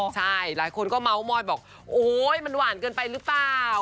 ใช่หลายคนก็เมาส์มอยบอกโอ๊ยมันหวานเกินไปหรือเปล่า